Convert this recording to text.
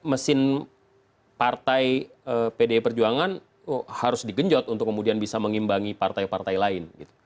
mesin partai pdi perjuangan harus digenjot untuk kemudian bisa mengimbangi partai partai lain